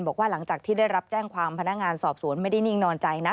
บอกว่าหลังจากที่ได้รับแจ้งความพนักงานสอบสวนไม่ได้นิ่งนอนใจนะ